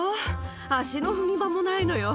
足の踏み場もないのよ。